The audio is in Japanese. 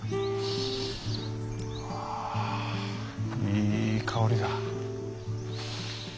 ああいい香りだ。